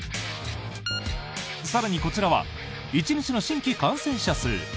更に、こちらは１日の新規感染者数。